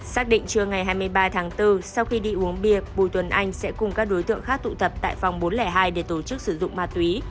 xác định trưa ngày hai mươi ba tháng bốn sau khi đi uống bia bùi tuấn anh sẽ cùng các đối tượng khác tụ tập tại phòng bốn trăm linh hai để tổ chức sử dụng ma túy